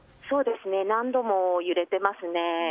何度も揺れてますね。